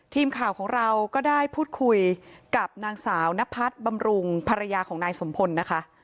ทีมข่าวของเราก็ได้พูดคุยกับนางสาวนพัฒน์บำรุงภรรยาของนายสมพลนะคะ